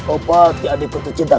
opati adikku tercinta